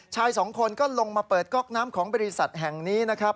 ชายสองคนก็ลงมาเปิดก๊อกน้ำของบริษัทแห่งนี้นะครับ